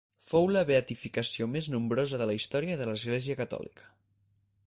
Fou la beatificació més nombrosa de la història de l'Església Catòlica.